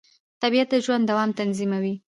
طبیعت د ژوند دوام تضمینوي